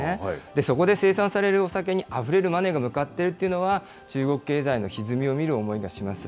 そこで生産されるお酒にあふれるマネーが向かってるっていうのは、中国経済のひずみを見る思いがします。